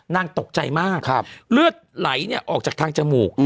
ตกใจมากเลือดไหลออกจากทางจมูก